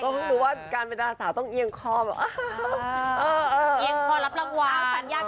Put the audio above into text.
เพราะเพราะว่าการเป็นดาสาวต้องเอียงหัวแบบ